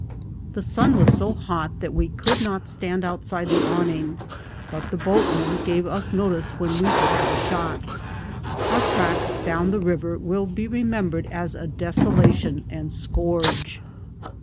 The sun was so hot that we could not stand outside the awning, but the boatmen gave us notice when we could have a shot. Our track down the river will be remem bered as a desolation and scourge.